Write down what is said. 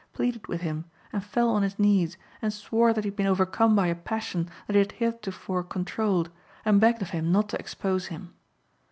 pleaded with him and fell on his knees and swore that he had been overcome by a passion that he had heretofore controlled, and begged of him not to expose him.